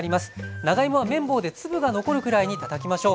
長芋は麺棒で粒が残るくらいにたたきましょう。